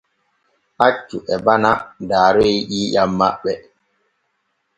Accu e bana daaroy ƴiiƴam maɓɓe.